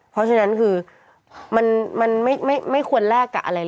เพราะฉะนั้นคือมันไม่ควรแลกกับอะไรเลย